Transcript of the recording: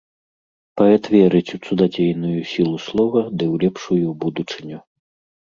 Паэт верыць у цудадзейную сілу слова ды ў лепшую будучыню.